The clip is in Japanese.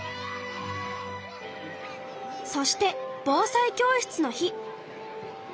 そして防災教室の日。